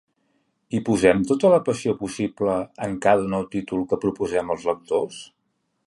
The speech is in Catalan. Hi posem tota la passió possible en cada nou títol que proposem als lectors?